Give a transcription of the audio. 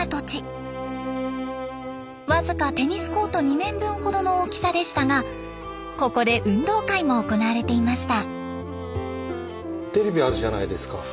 僅かテニスコート２面分ほどの大きさでしたがここで運動会も行われていました。